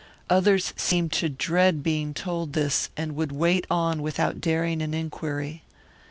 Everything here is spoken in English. Others seemed to dread being told this, and would wait on without daring an inquiry.